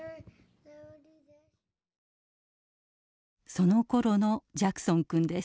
そのころのジャクソン君です。